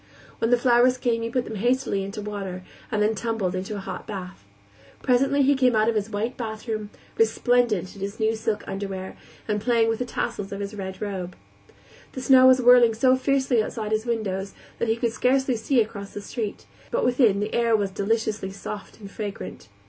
When the flowers came he put them hastily into water, and then tumbled into a hot bath. Presently he came out of his white bathroom, resplendent in his new silk underwear, and playing with the tassels of his red robe. The snow was whirling so fiercely outside his windows that he could scarcely see across the street, but within the air was deliciously soft and fragrant.